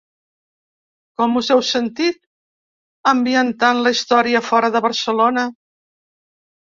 Com us heu sentit ambientant la història fora de Barcelona?